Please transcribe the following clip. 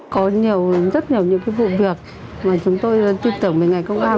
có nhiều rất nhiều những cái vụ việc mà chúng tôi tin tưởng về ngày công an